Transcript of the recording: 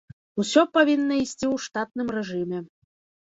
Усё павінна ісці ў штатным рэжыме.